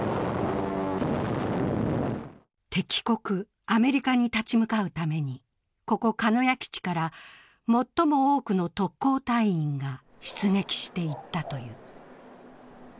敵国・アメリカに立ち向かうためにここ鹿屋基地から最も多くの特攻隊員が出撃していったという。